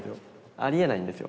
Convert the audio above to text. ありえないんですよ。